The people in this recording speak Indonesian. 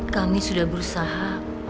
kami sudah berusaha